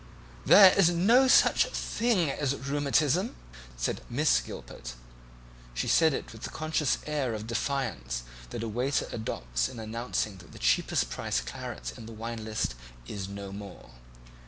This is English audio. "There is no such thing as rheumatism," said Miss Gilpet. She said it with the conscious air of defiance that a waiter adopts in announcing that the cheapest priced claret in the wine list is no more.